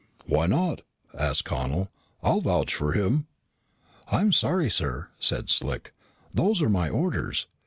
"Why not?" asked Connel. "I'll vouch for him." "I'm sorry, sir," said Slick. "Those are my orders.